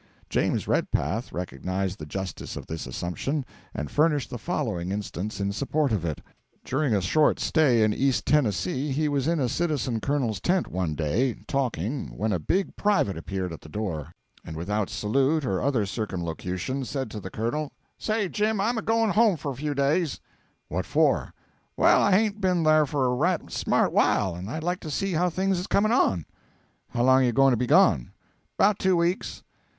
James Redpath recognised the justice of this assumption, and furnished the following instance in support of it. During a short stay in East Tennessee he was in a citizen colonel's tent one day, talking, when a big private appeared at the door, and without salute or other circumlocution said to the colonel: 'Say, Jim, I'm a goin' home for a few days.' 'What for?' 'Well, I hain't b'en there for a right smart while, and I'd like to see how things is comin' on.' 'How long are you going to be gone?' ''Bout two weeks.'